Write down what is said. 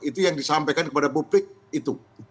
itu yang disampaikan kepada publik itu